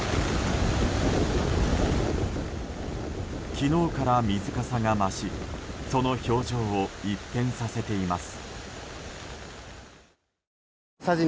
昨日から水かさが増しその表情を一変させています。